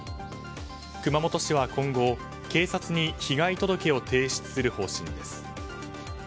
熊本市は今後警察に被害届を提出する方針です。